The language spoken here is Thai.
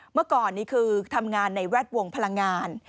เมื่อก่อนนี้คือทำงานในแวดวงพลังงาน